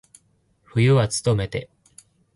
冬はつとめて。